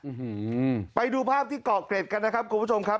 ไปดูภาพที่เกาะเกร็ดกันนะครับคุณผู้ชมครับ